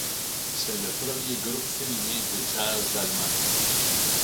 C’est le premier groupe féminin de jazz d’Allemagne.